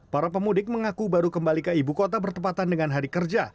para pemudik mengaku baru kembali ke ibu kota bertepatan dengan hari kerja